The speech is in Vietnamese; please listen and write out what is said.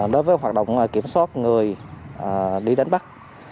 đối với hoạt động kiểm soát người đi đánh bắt